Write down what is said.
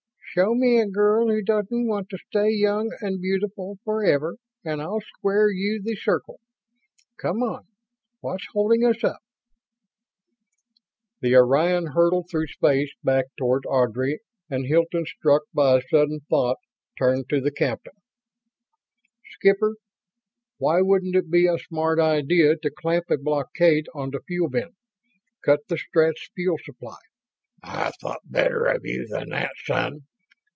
"Show me a girl who doesn't want to stay young and beautiful forever and I'll square you the circle. Come on. What's holding us up?" The Orion hurtled through space back toward Ardry and Hilton, struck by a sudden thought, turned to the captain. "Skipper, why wouldn't it be a smart idea to clamp a blockade onto Fuel Bin? Cut the Stretts' fuel supply?" "I thought better of you than that, son."